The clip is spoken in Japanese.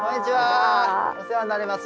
お世話になります